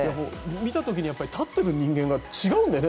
見た時に立っている人間が違うんだよね。